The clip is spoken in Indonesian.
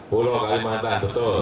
pulau kalimantan betul